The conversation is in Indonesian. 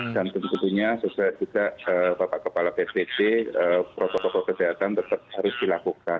dan tentunya sesuai juga bapak kepala bpp protokol protokol kesehatan tetap harus dilakukan